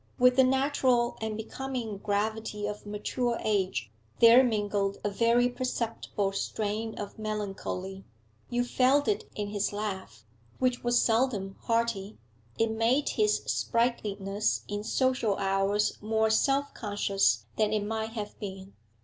With the natural and becoming gravity of mature age there mingled a very perceptible strain of melancholy. You felt it in his laugh, which was seldom hearty; it made his sprightliness in social hours more self conscious than it might have been.